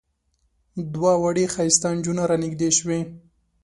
دوه وړې ښایسته نجونې را نږدې شوې.